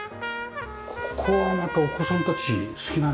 ここはまたお子さんたち好きなんじゃないですか？